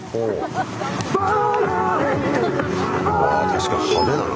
うわ確かに派手だな